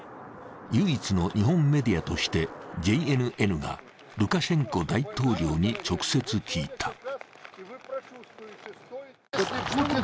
唯一の日本メディアとしてＪＮＮがルカシェンコ大統領に直接聞いた。